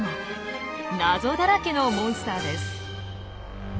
謎だらけのモンスターです。